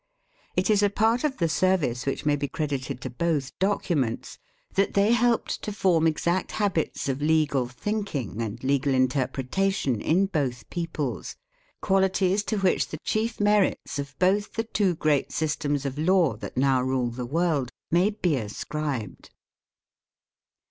It is a part of the service which may be credited to both documents, that they helped to form exact habits of legal thinking and legal interpretation in both peoples, qualities to which the chief merits of both the two great systems of law that now rule the world may be ascribed.